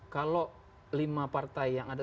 kalau lima partai yang ada